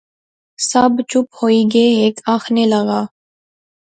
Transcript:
سب چپ ہوئی گئے۔ ہیک آخنے لغا